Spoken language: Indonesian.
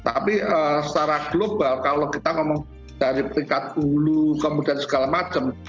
tapi secara global kalau kita ngomong dari peringkat hulu kemudian segala macam